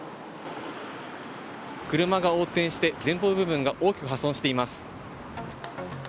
車が横転して前方部分が大きく破損しています。